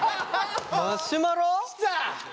マシュマロ？来た！